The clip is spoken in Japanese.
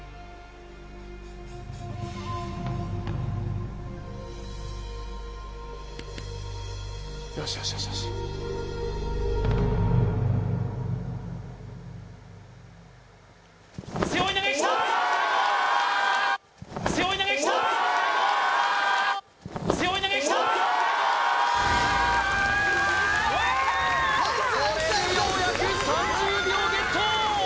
これでようやく３０秒ゲット！